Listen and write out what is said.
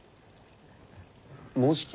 もうじき？